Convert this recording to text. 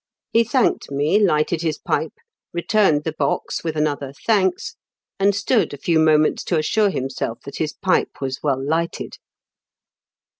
He thanked me, lighted his pipe, returned the box with another " Thanks !" and stood a few moments to assure himself that his pipe was well lighted.